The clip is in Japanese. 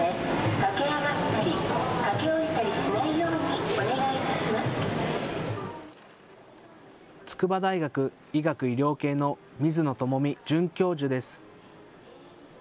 筑波大学医学医療系の水野智美准教授です。